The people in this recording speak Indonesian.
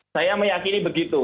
saya meyakini begitu